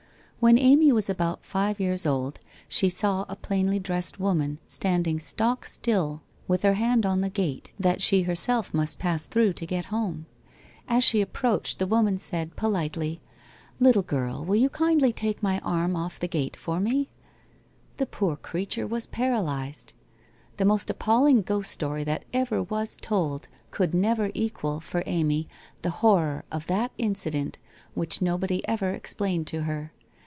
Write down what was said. When Amy was about five years old she saw a plainly dressed woman standing stock still with her hand on 10 WHITE ROSE OF WEARY LEAF the gate thai she herself must pass through to get home. As she approached, the woman said, politely: ' Little girl, will you kindly take my arm off the gate for me ?' The poor creature was paralysed ! The most appalling ghost story that ever was told, could never equal, for Amy, the horror of that incident, which nobody ever explained to her.